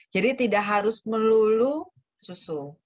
jadi tidak harus melulu susu